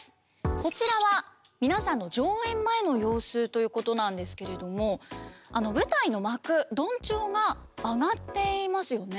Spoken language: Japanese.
こちらは皆さんの上演前の様子ということなんですけれども舞台の幕緞帳が上がっていますよね。